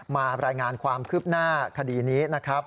มารายงานความคืบหน้าคดีนี้นะครับ